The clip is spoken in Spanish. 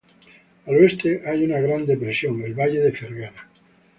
Al oeste hay una gran depresiones, el valle de Fergana.